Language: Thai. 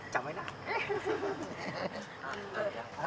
จำไว้นะ